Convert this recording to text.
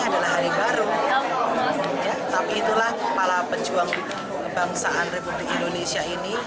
adalah orang yang dicontoh kesepiaannya